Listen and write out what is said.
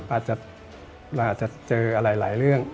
อาจจะเจอหลายเรื่อง